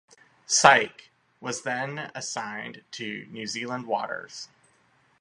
"Psyche" was then assigned to New Zealand waters.